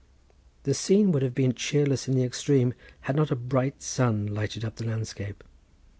The scene would have been cheerless in the extreme had not a bright sun lighted up the landscape.